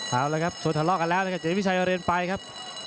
เอาละสวนทะเลาะกันแล้วแล้วเราก็เดี๋ยวพี่ชายเอาเบรนไปครับ